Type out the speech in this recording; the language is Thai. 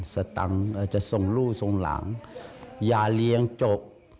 สตังค์จะส่งลูกส่งหลังอย่าเลี้ยงจบ